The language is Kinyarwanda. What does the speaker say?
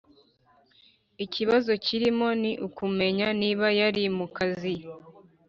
Ikibazo kirimo ni ukumenya niba yari mu kazi